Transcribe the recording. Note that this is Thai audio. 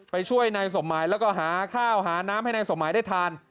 ไปช่วยนายสมหมายแล้วก็หาข้าวหาน้ำให้นายสมหมายได้ทาน